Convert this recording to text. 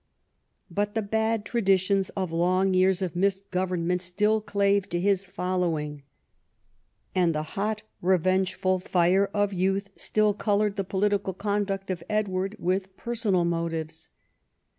But the bad traditions of long years of misgovernment still clave to his following, and the hot revengeful fire of youth still coloured the political conduct of Edward with personal motives.